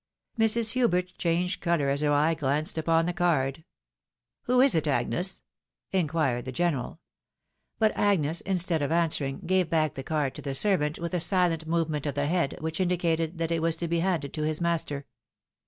Mrs. Hubert changed colour as her eye glanced upon the card. " Who is it, Agnes ?" inquired the general. But Agnes, instead of answering, gave back the card to the servant with a silent movement of the head, which indicated that it was to be handed to his master.